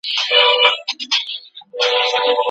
زه اوبه راوړم.